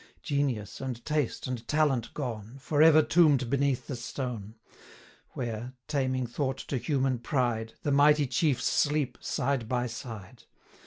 Genius, and taste, and talent gone, For ever tomb'd beneath the stone, Where taming thought to human pride! The mighty chiefs sleep side by side.